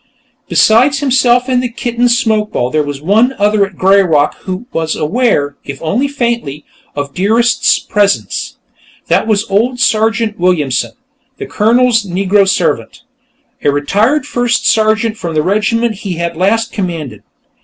Besides himself and the kitten, Smokeball, there was one other at "Greyrock" who was aware, if only faintly, of Dearest's presence. That was old Sergeant Williamson, the Colonel's Negro servant, a retired first sergeant from the regiment he had last commanded.